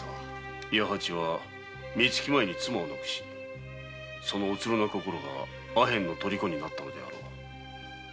弥八は三月前に妻を亡くしそのうつろな心がアヘンのとりこになったのであろう。